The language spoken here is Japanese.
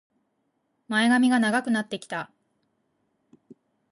前髪が長くなってきた